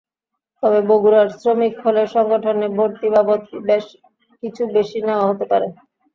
তবে বগুড়ার শ্রমিক হলে সংগঠনে ভর্তি বাবদ কিছু বেশি নেওয়া হতে পারে।